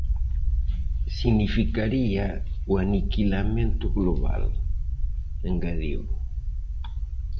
"Significaría o aniquilamento global", engadiu.